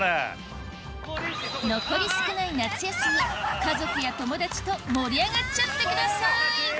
残り少ない夏休み家族や友達と盛り上がっちゃってください！